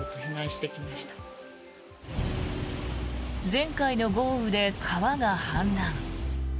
前回の豪雨で川が氾濫。